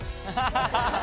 ハハハハハ。